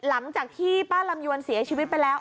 หลังจากที่ป้าลำยวนเสียชีวิตไปแล้ว